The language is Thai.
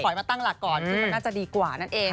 เอาขอยมาตั้งหลักก่อนคือมันน่าจะดีกว่านั่นเอง